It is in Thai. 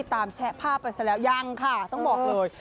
แชะภาพไปซะแล้วยังค่ะต้องบอกเลย